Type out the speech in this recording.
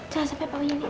jangan sampai pak uya lihat